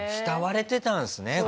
慕われてたんですね。